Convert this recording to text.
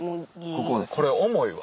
これ重いわ。